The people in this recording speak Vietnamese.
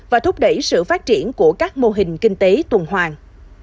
và thúc đẩy sự phát triển của các mô hình kinh tế tuần hoàng